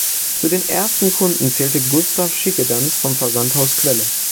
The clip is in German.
Zu den ersten Kunden zählte Gustav Schickedanz vom Versandhaus "Quelle.